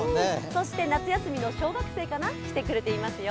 そして夏休みの小学生かな、来てくれていますよ。